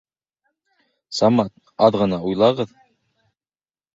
Самат, аҙ ғына уйлағыҙ